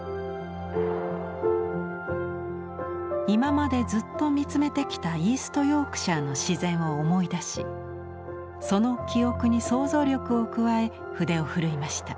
今までずっと見つめてきたイースト・ヨークシャーの自然を思い出しその記憶に想像力を加え筆を振るいました。